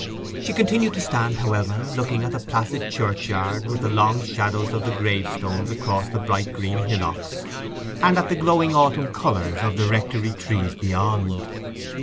She continued to stand, however, looking at the placid churchyard with the long shadows of the gravestones across the bright green hillocks, and at the glowing autumn colours of the Rectory trees beyond.